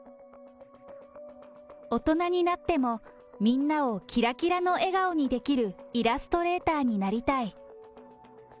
大人になっても、みんなをきらきらの笑顔にできるイラスト・レーターになりたい。